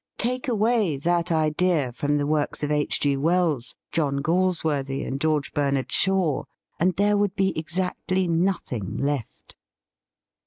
Take away that idea from the works of H. G. Wells, John Galsworthy and George Bernard Shaw, and there would be exactly noth ing left.